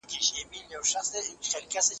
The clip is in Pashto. نوروز و نوی کال مو مبارک شه!